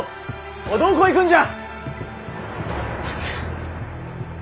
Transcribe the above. おいどこ行くんじゃ！